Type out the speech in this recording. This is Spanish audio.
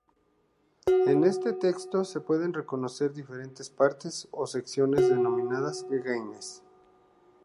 En ese texto se pueden reconocer diferentes partes o secciones, denominadas genes.